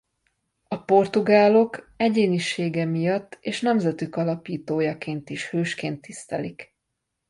A portugálok egyénisége miatt és nemzetük alapítójaként is hősként tisztelik.